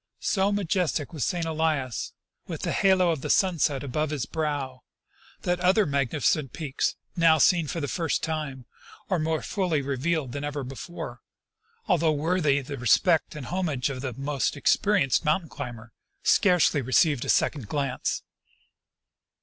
So majestic was St. Elias, with the halo of the sunset about his brow, that other magnificent peaks now seen for the first time or more fully re vealed than ever before, although worthy the respect and homage of the most experienced mountain climber, scarcely received a second glance.